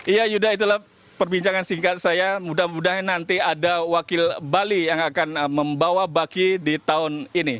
iya yuda itulah perbincangan singkat saya mudah mudahan nanti ada wakil bali yang akan membawa baki di tahun ini